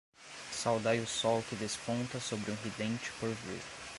Saudai o Sol que desponta sobre um ridente porvir